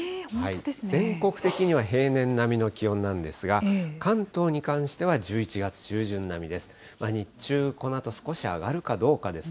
全国的には平年並みの気温なんですが、関東に関しては１１月中旬並みです。